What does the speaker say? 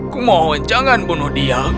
kumohon jangan bunuh dia